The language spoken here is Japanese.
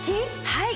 はい。